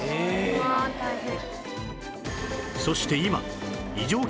うわあ大変。